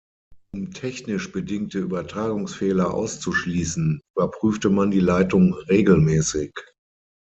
Um technisch bedingte Übertragungsfehler auszuschließen, überprüfte man die Leitung regelmäßig.